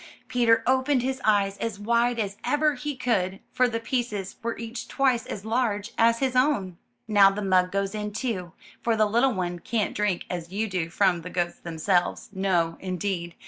Peter opened his eyes as wide as ever he could, for the pieces were each twice as large as his own. *'Now the mug goes in, too, for the little one can't drink as you do from the goats themselves; no, indeed.